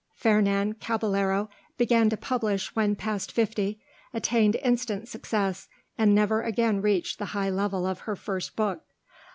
Fernan Caballero began to publish when past fifty, attained instant success, and never again reached the high level of her first book.